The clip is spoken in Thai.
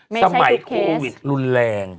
ไม่ใช่ทุกเคสสมัยโควิดรุนแรง